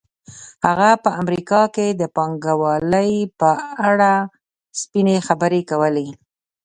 هغه په امریکا کې د پانګوالۍ په اړه سپینې خبرې کولې